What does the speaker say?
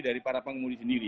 dari para pengemudi sendiri